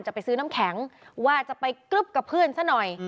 จะไปซื้อน้ำแข็งว่าจะไปกรึ๊บกับเพื่อนซะหน่อย